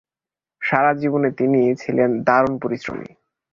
সারা জীবনে তিনি ছিলেন দারুণ পরিশ্রমী।